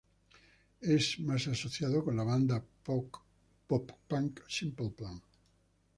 Es más asociado con la banda pop punk Simple Plan.